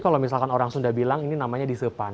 kalau misalkan orang sunda bilang ini namanya disepan